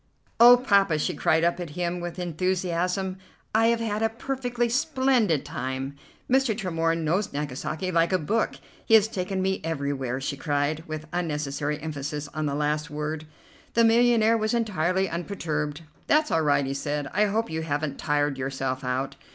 "Oh, Poppa!" she cried up at him with enthusiasm, "I have had a perfectly splendid time. Mr. Tremorne knows Nagasaki like a book. He has taken me everywhere," she cried, with unnecessary emphasis on the last word. The millionaire was entirely unperturbed. "That's all right," he said. "I hope you haven't tired yourself out."